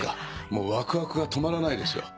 もうワクワクが止まらないですよ。